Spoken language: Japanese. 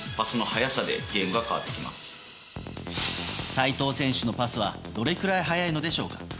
齋藤選手のパスはどれくらい速いのでしょうか。